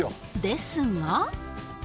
ですが